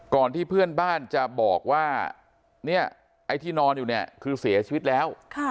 ก่อนที่เพื่อนบ้านจะบอกว่าเนี่ยไอ้ที่นอนอยู่เนี่ยคือเสียชีวิตแล้ว